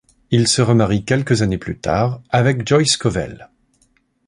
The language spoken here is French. Il se remarie quelques années plus tard avec Joy Scovelle.